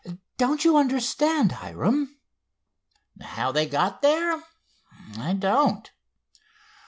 Don't you understand, Hiram?" "How they got there? I don't."